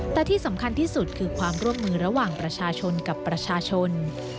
แต่ที่สำคัญที่สุดคือความร่วมมือระหว่างประชาชนกับประชาชน